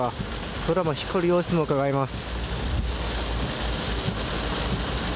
空の光る様子もうかがえます。